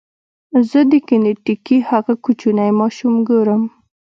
زه د کینټکي هغه کوچنی ماشوم ګورم.